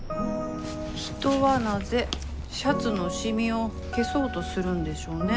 人はなぜシャツの染みを消そうとするんでしょうね。